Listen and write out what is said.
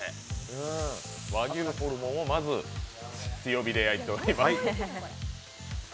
和牛のホルモンをまず強火で焼いております。